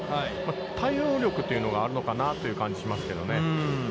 対応力というのがあるのかなという感じがしますけどね。